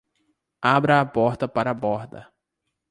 Abra a porta para a borda!